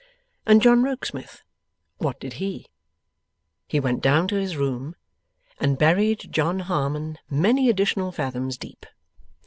And John Rokesmith, what did he? He went down to his room, and buried John Harmon many additional fathoms deep.